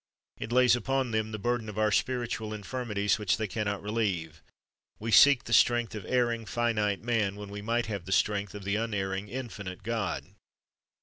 It lays upon them the burden of our spiritual infirmities, which they can not relieve. We seek the strength of erring, finite man, when we might have the strength of the unerring, infinite God.